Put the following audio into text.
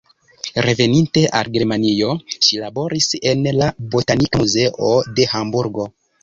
Reveninte al Germanio, ŝi laboris en la Botanika Muzeo de Hamburgo.